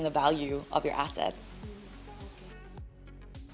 apa yang kamu inginkan untuk menjual